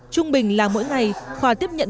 trung bình là mỗi ngày khoa tiếp nhận